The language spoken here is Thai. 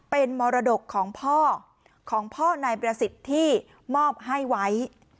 เป็นมรดกของพ่อของพ่อนายประสิทธิ์ที่มอบให้ไว้